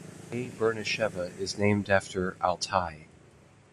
A. Burnasheva is named after Altai.